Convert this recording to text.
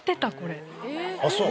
あっそう？